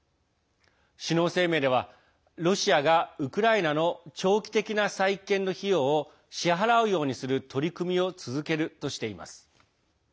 首脳声明ではロシアがウクライナの長期的な再建の費用を支払うようにする取り組みを続けるとしています。